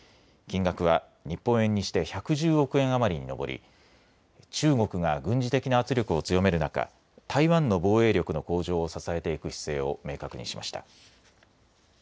金額は日本円にして１１０億円余りに上り中国が軍事的な圧力を強める中、台湾の防衛力の向上を支えていく姿勢を明確にしました。